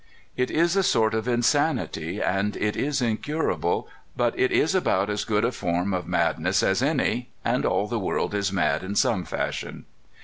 It is a sort of insanity, and it is incurable ; but it is about as good a form of mad ness as any, and all the world is mad in some fashion.